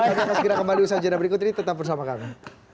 kita akan segera kembali di usaha jurnal berikut ini tetap bersama kami